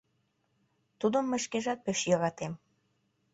Тудым мый шкежат пеш йӧратем.